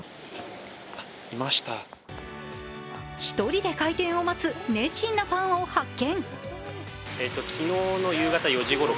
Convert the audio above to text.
１人で開店を待つ１人のファンを発見。